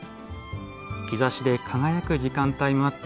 日ざしで輝く時間帯もあった